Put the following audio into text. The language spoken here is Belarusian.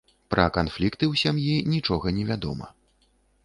Пра канфлікты ў сям'і нічога невядома.